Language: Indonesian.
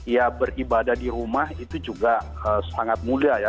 ya beribadah di rumah itu juga sangat mudah ya